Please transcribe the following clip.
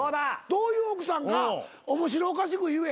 どういう奥さんか面白おかしく言え。